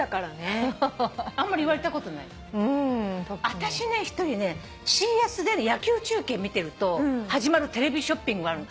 あたしね一人ねＣＳで野球中継見てると始まるテレビショッピングがあるの。